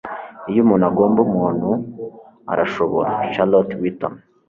iyo umuntu agomba, umuntu arashobora. - charlotte whitton